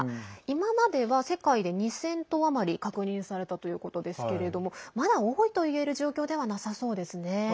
今までは世界で２０００頭余り確認されたということですけれどもまだ多いといえる状況ではなさそうですね。